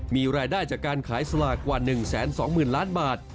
มีรายได้จากการขายสลากกว่า๑๒๐๐๐ล้านบาท